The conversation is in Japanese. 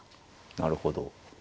なるほど。